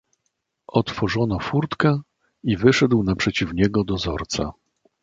"Otworzono furtkę i wyszedł naprzeciw niego dozorca."